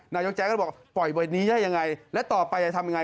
นายกแจ๊ก็บอกปล่อยใบนี้ได้ยังไงและต่อไปจะทำยังไง